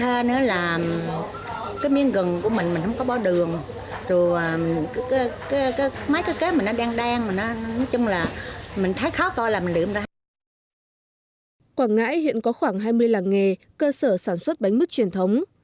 hiện đang trong giai đoạn cao hơn năm năm ngoái khoảng hai mươi là nghề cơ sở sản xuất bánh mứt truyền thống hiện đang trong giai đoạn cao hơn năm năm ngoái khoảng hai mươi là nghề cơ sở sản xuất bánh mứt truyền thống